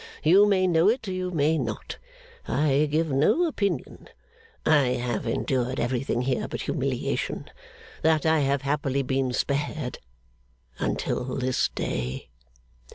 You may know it; you may not. I give no opinion. I have endured everything here but humiliation. That I have happily been spared until this day.